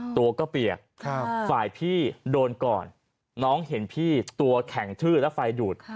ตัวก็เปียกฝ่ายพี่โดนก่อนน้องเห็นพี่ตัวแข็งชื่อแล้วไฟดูด